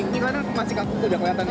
ini kan masih kaku tuh udah keliatan nih